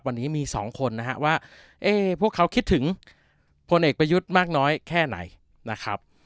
วันนี้มีสองคนนะฮะว่าพวกเขาคิดถึงพลเอกประยุทธ์มากน้อยแค่ไหนนะครับ